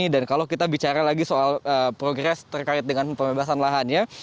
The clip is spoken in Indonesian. dan kalau kita bicara lagi soal progres terkait dengan pembebasan lahan ya